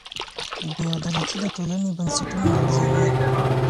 بې عدالتي د ټولني بنسټونه لړزوي.